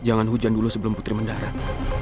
jangan hujan dulu sebelum putri mendarat